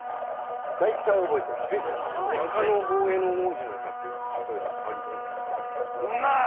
中大兄皇子の歌って例えばさわりどんな感じなんですか？